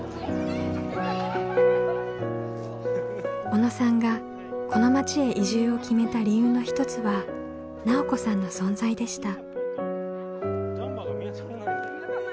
小野さんがこの町へ移住を決めた理由の一つは奈緒子さんの存在でした。